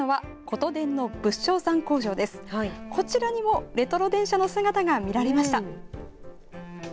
こちらにもレトロ電車の姿が見られました。